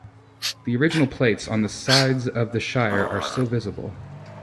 The original plates on the sides of the shire are still visible.